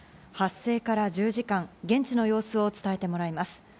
発生から１０時間、現地の様子を伝えてもらいます。